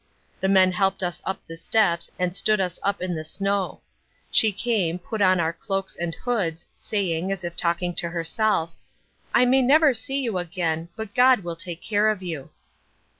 The men helped us up the steps and stood us up on the snow. She came, put on our cloaks and hoods, saying, as if talking to herself, "I may never see you again, but God will take care of you."